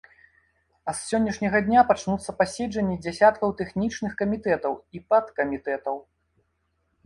А з сённяшняга дня пачнуцца паседжанні дзясяткаў тэхнічных камітэтаў і падкамітэтаў.